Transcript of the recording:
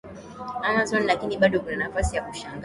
Amazon lakini bado kuna nafasi ya kushangaza